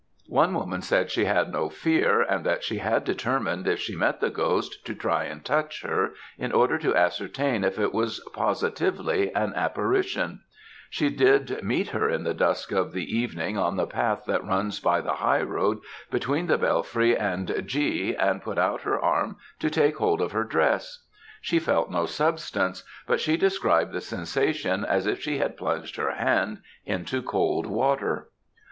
"One woman said she had no fear, and that she had determined if she met the ghost, to try and touch her, in order to ascertain if it was positively an apparition; she did meet her in the dusk of the evening on the path that runs by the high road between the Bellfry and G and put out her arm to take hold of her dress. She felt no substance, but she described the sensation as if she had plunged her hand into cold water.